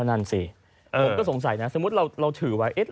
ผมก็สงสัยนะสมมุติเราถือไว้